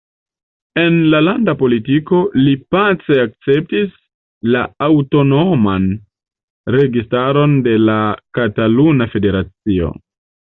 En la landa politiko, li pace akceptis la aŭtonoman registaron de la Kataluna Federacio.